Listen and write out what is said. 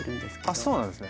あっそうなんですね。